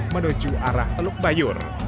menuju arah eluk bayur